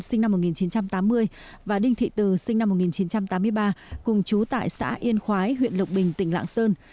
sinh năm một nghìn chín trăm tám mươi và đinh thị từ sinh năm một nghìn chín trăm tám mươi ba cùng chú tại xã yên khói huyện lộc bình tỉnh lạng sơn